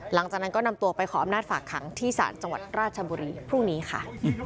หลังจากนั้นก็นำตัวไปขออำนาจฝากขังที่ศาลจังหวัดราชบุรีพรุ่งนี้ค่ะ